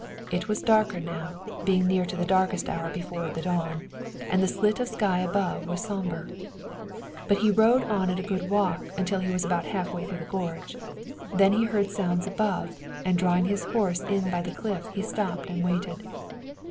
It was darker now, being near to that darkest hour before the dawn, and the slit of sky above was somber. But he rode on at a good walk until he was about half way through the gorge. Then he heard sounds above, and drawing his horse in by the cliff he stopped and waited.